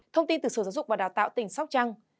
thông tin từ sở giáo dục và đào tạo tỉnh sóc trăng